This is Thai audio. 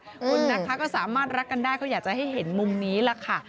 คุณนะคะก็สามารถรักกันได้ก็อยากจะให้เห็นมุมนี้ล่ะค่ะ